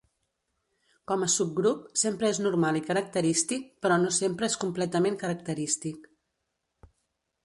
Com a subgrup, sempre és normal i característic, però no sempre és completament característic.